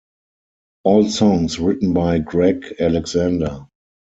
All songs written by Gregg Alexander.